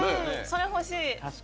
それ欲しい。